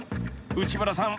［内村さん。